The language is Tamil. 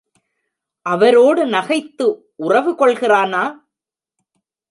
அவரோடு நகைத்து உறவு கொள்கிறானா?